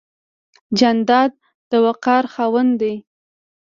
جانداد د وقار خاوند دی.